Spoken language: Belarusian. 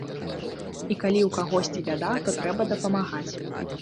І калі ў кагосьці бяда, то трэба дапамагаць.